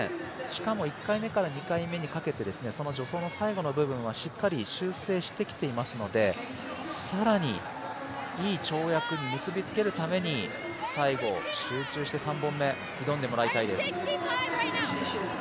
しかも１回目から２回目にかけてその助走の最後の部分はしっかり修正してきてますので更にいい跳躍に結びつけるために最後集中して３本目挑んでもらいたいです。